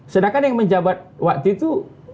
sedangkan yang menjabat waktu itu